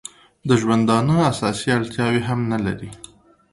د ژوندانه اساسي اړتیاوې هم نه لري.